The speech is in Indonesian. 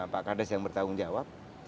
pak kades yang bertanggung jawab